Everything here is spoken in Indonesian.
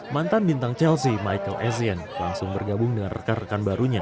mantan bintang chelsea michael essien langsung bergabung dengan rekan rekan barunya